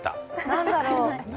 何だろう。